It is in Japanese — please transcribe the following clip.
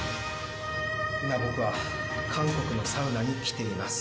今、僕は韓国のサウナに来ています。